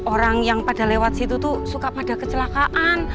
orang yang pada lewat situ tuh suka pada kecelakaan